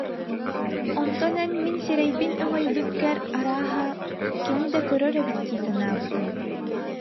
Онтон эн мин сирэйбин өҥөйбүккэр, арааһа, кини да көрөр эбит дии санаабытым